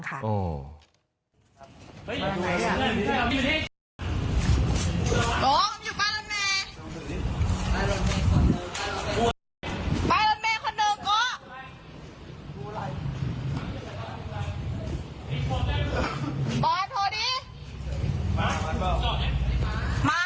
บอสโทรดีมามาด้วยกัน